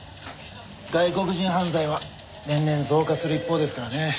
外国人犯罪は年々増加する一方ですからね。